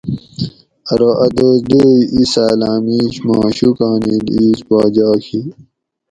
ارو اۤ دوس دوئ ایساۤلاۤں میش ما شوکا نیل ایس باجاگ ھی